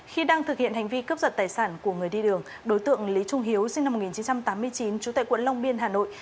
khi đang thực hiện hành vi cướp giật tài sản của người đi đường đối tượng lý trung hiếu sinh năm một nghìn chín trăm tám mươi chín trú tại quận long biên hà nội